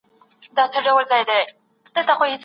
ځيني خلک غوسه دي او ځيني خاموش ولاړ دي.